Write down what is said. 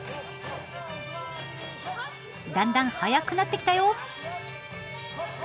だんだん速くなってきたよ。